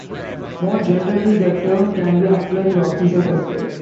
More generally, the term can be applied to officers as well.